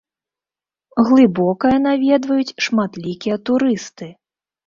Глыбокае наведваюць шматлікія турысты!